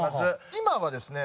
今はですね